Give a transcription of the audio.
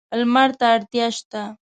لمر ته اړتیا شته.